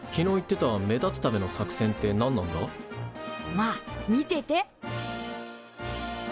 まあ見てて。